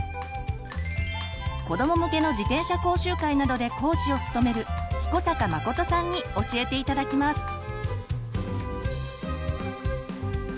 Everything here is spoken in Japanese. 子ども向けの自転車講習会などで講師を務める彦坂誠さんに教えて頂きます。